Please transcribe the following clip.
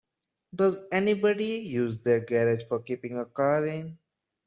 Does anybody use their garage for keeping a car in?